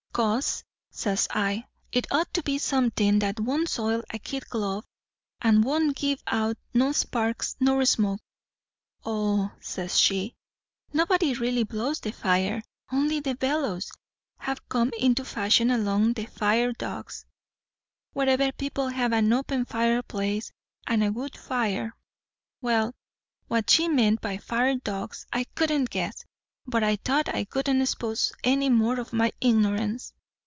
' 'Cause,' says I, 'it ought to be somethin' that won't soil a kid glove and that won't give out no sparks nor smoke.' 'O,' says she, 'nobody really blows the fire; only the bellows have come into fashion, along with the fire dogs, wherever people have an open fireplace and a wood fire.' Well, what she meant by fire dogs I couldn't guess; but I thought I wouldn't expose any more o' my ignorance.